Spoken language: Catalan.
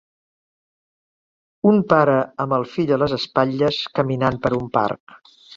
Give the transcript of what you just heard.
Un pare amb el fill a les espatlles caminant per un parc.